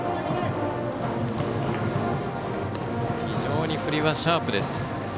非常に振りはシャープです。